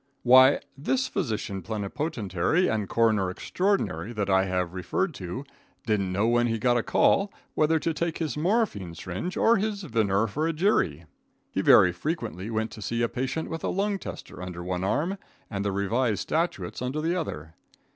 Why, this physician plenipotentiary and coroner extraordinary that I have referred to, didn't know when he got a call whether to take his morphine syringe or his venire for a jury. He very frequently went to see a patient with a lung tester under one arm and the revised statutes under the other.